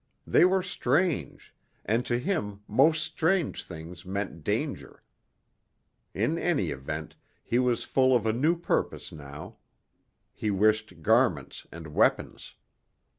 They were strange, and to him most strange things meant danger. In any event, he was full of a new purpose now. He wished garments and weapons.